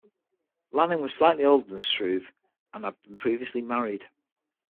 Lanning was slightly older than Struve and had been previously married.